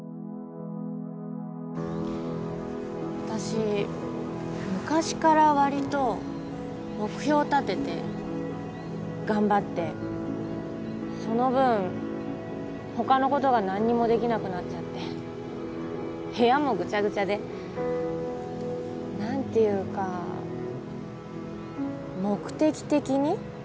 私昔から割と目標を立てて頑張ってその分他のことが何にもできなくなっちゃって部屋もぐちゃぐちゃで何ていうか目的的に？